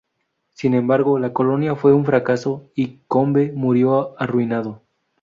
Sin embargo, la colonia fue un fracaso y Combe murió arruinado.